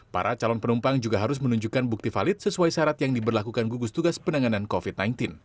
para calon penumpang juga harus menunjukkan bukti valid sesuai syarat yang diberlakukan gugus tugas penanganan covid sembilan belas